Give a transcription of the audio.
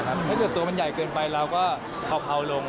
ถ้าเกิดว่าตัวมันใหญ่เกินไปแล้วก็พาวลง